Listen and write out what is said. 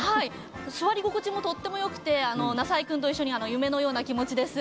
座り心地もとってもよくてなさいくんと一緒に夢のような気持ちです。